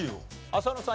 浅野さん